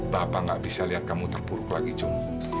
bapak nggak bisa lihat kamu terburuk lagi jun